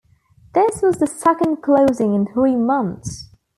This was the second closing in three months.